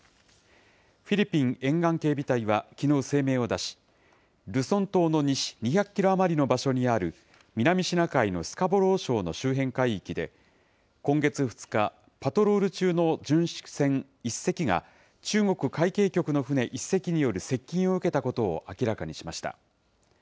フィリピン沿岸警備隊はきのう、声明を出し、ルソン島の西２００キロ余りの場所にある南シナ海のスカボロー礁の周辺海域で、今月２日、パトロール中の巡視船１隻が、中国海警局の船１隻による接近を受けたことを明らかにしました。